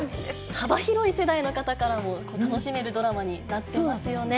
幅広い世代の方からも楽しめるドラマになっていますよね。